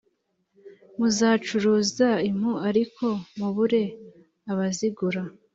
muzacuruza impu ariko mubure ubazigura!»